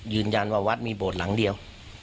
ยืนยันว่าวัดมีโบสถ์หลังเดียว